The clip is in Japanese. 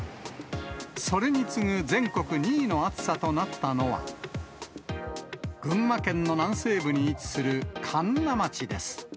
それに次ぐ全国２位の暑さとなったのは、群馬県の南西部に位置する神流町です。